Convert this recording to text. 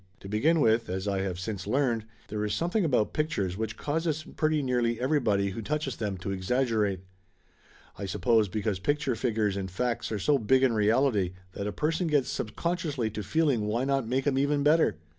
To begin with, as I have since learned, there is something about pictures which causes pretty nearly everybody who touches them to exaggerate. I suppose because pic ture figures and facts are so big in reality that a person gets subconsciously to feeling why not make 'em even better?